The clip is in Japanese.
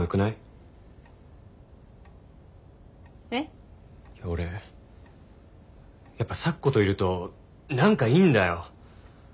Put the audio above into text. いや俺やっぱ咲子といると何かいいんだよ。